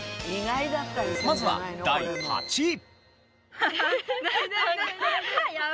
まずは第８位。